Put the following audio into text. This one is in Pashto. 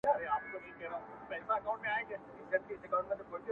ژوند در ډالۍ دى تاته.